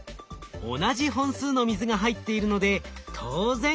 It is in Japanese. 同じ本数の水が入っているので当然同じ重さ。